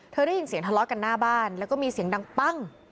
ได้ยินเสียงทะเลาะกันหน้าบ้านแล้วก็มีเสียงดังปั้ง